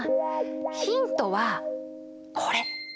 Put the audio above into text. ヒントはこれ！